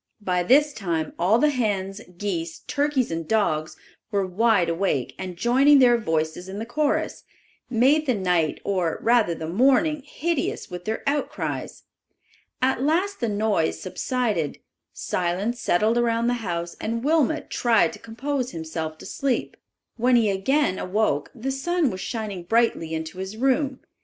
By this time all the hens, geese, turkeys and dogs were wide awake and joining their voices in the chorus, made the night, or rather the morning, hideous with their outcries. At last the noise subsided. Silence settled around the house and Wilmot tried to compose himself to sleep. When he again awoke the sun was shining brightly into his room.